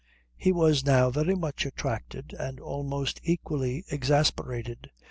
He was now very much attracted, and almost equally exasperated.